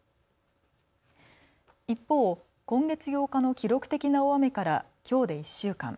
一方、今月８日の記録的な大雨からきょうで１週間。